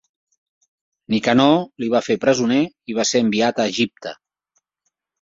Nicanor li va fer presoner i va ser enviat a Egipte.